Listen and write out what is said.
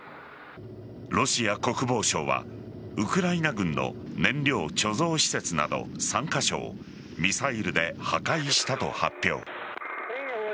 ロシア国防省はウクライナ軍の燃料貯蔵施設など３カ所をミサイルで破壊したと発表。